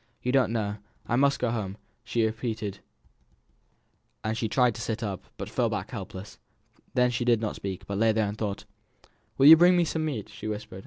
"You don't know. I must go home," she repeated; and she tried to sit up, but fell back helpless. Then she did not speak, but lay and thought. "Will you bring me some meat?" she whispered.